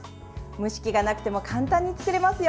蒸し器がなくても簡単に作れますよ。